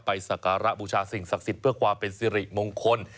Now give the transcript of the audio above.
สักการะบูชาสิ่งศักดิ์สิทธิ์เพื่อความเป็นสิริมงคล